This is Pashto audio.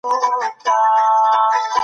هر ګام کي درسره مرسته کوو.